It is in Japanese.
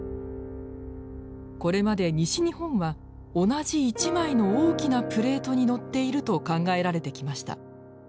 これまで西日本は同じ一枚の大きなプレートにのっていると考えられてきました。